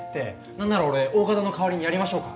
何なら俺大加戸の代わりにやりましょうか？